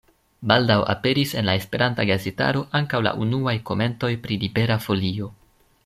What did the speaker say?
Baldaŭ aperis en la esperanta gazetaro ankaŭ la unuaj komentoj pri Libera Folio.